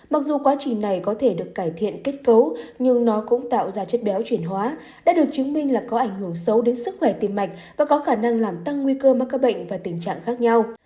mặc dù quá trình này có thể được cải thiện kết cấu nhưng nó cũng tạo ra chất béo chuyển hóa đã được chứng minh là có ảnh hưởng xấu đến sức khỏe tim mạch và có khả năng làm tăng nguy cơ mắc các bệnh và tình trạng khác nhau